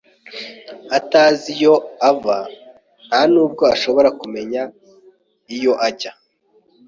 atazi iyo ava nta nubwo ashobora kumenya iyo ajya